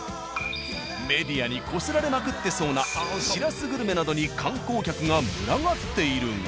メディアにこすられまくってそうなしらすグルメなどに観光客が群がっているが。